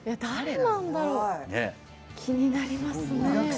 誰なんだろう、気になりますね。